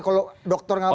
kalau dokter ngapain